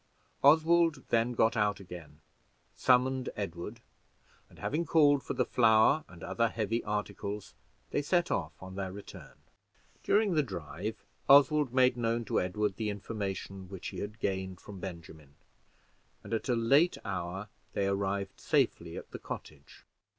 Oswald then got out again, summoned Edward, and having called for the flour and other heavy articles, they set off on their return. During the drive, Oswald made known to Edward the information which he had gained from Benjamin, and at a late hour they arrived safely at the cottage.